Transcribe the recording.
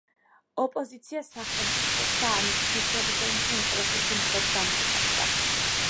ოპოზიცია სახელმწიფოს, და ამით ქვეშევრდომთა ინტერესების მტრად გამოცხადდა.